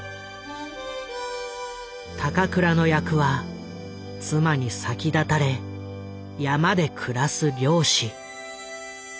高倉の役は妻に先立たれ山で暮らす猟師。